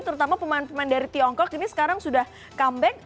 terutama pemain pemain dari tiongkok ini sekarang sudah comeback